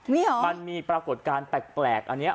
มันมีปรากฏการณ์แปลกอันนี้